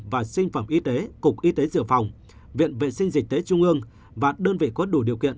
và sinh phẩm y tế cục y tế dự phòng viện vệ sinh dịch tế trung ương và đơn vị có đủ điều kiện